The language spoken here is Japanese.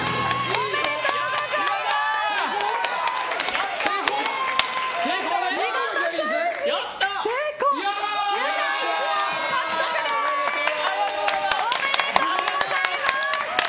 おめでとうございます！